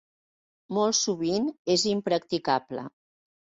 Molt sovint és impracticable.